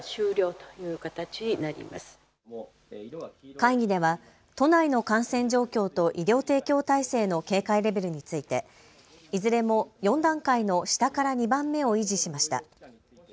会議では都内の感染状況と医療提供体制の警戒レベルについていずれも４段階の下から２番目を維持しました。